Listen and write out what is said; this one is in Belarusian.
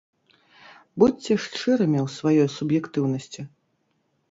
Будзьце шчырымі ў сваёй суб'ектыўнасці.